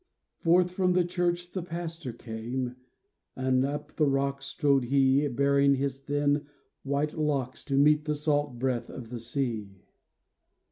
Forth from the church the pastor came, And up the rocks strode he. Baring his thin white locks to meet The salt breath of the sea.